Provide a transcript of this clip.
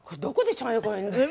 どこでしょうね？